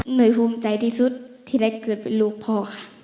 ภูมิใจที่สุดที่ได้เกิดเป็นลูกพ่อค่ะ